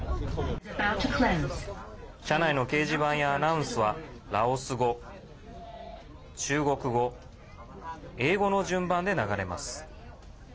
車内の掲示板やアナウンスはラオス語、中国語、英語の順番で流れます。